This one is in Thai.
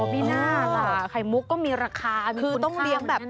อ๋อมีน่าล่ะไข่มุกก็มีราคามีคุณค่าเหมือนกันนะคือต้องเลี้ยงแบบ